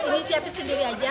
ini siapin sendiri aja